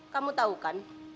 kamu tahu kan